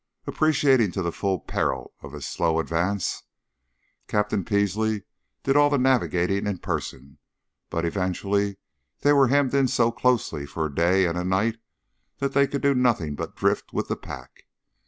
Appreciating to the full the peril of his slow advance, Captain Peasley did all the navigating in person; but eventually they were hemmed in so closely that for a day and a night they could do nothing but drift with the pack.